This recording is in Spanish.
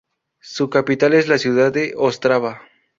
Su capital es la ciudad de Ostrava.